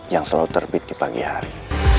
yang selalu terbit di pagi hari